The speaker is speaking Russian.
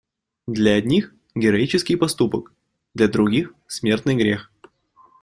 Для одних - героический поступок, для других - смертный грех.